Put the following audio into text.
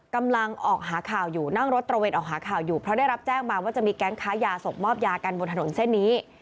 กำลังนั่งรถตระเวนออกหาข่าวอยู่ได้รับแจ้งมาว่าจะมีแก๊งค้ายาส่งมอบยากันบนถนนเช่นนี้